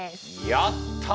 やった！